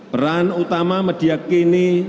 peran utama media kini